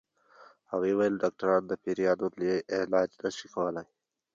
هغې ويل ډاکټران د پيريانو علاج نشي کولی